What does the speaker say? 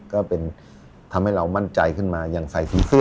ก็เป็นทำให้เรามั่นใจขึ้นมาอย่างใส่สีเสื้อ